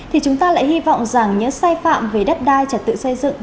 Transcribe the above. thì chúng ta lại hy vọng rằng những sai phạm về đất đai trật tự xây dựng